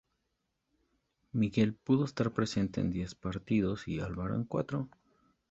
Miguel pudo estar presente en diez partidos y Álvaro en cuatro.